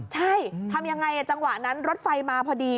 ใช่ทำยังไงจังหวะนั้นรถไฟมาพอดี